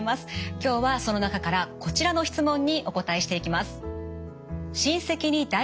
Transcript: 今日はその中からこちらの質問にお答えしていきます。